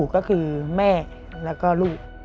ก็คือแม่แล้วก็ลูก